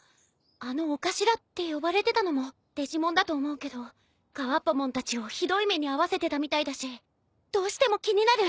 あの「お頭」って呼ばれてたのもデジモンだと思うけどガワッパモンたちをひどい目に遭わせてたみたいだしどうしても気になる！